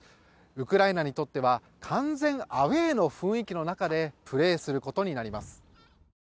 ウクライナにとっては完全アウェーの雰囲気の中でプレーすることになります。